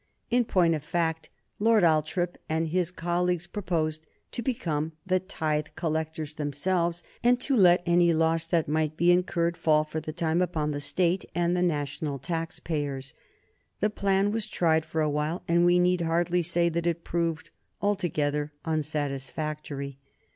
In point of fact, Lord Althorp and his colleagues proposed to become the tithe collectors themselves and to let any loss that might be incurred fall, for the time, upon the State and the national taxpayers. The plan was tried for a while, and we need hardly say that it proved altogether unsatisfactory.